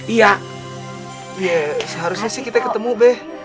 iya seharusnya sih kita ketemu deh